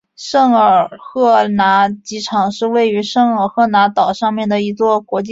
圣赫勒拿机场是位于圣赫勒拿岛上的一座国际机场。